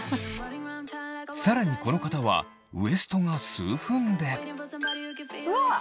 さらにこの方はウエストが数分でうわっ！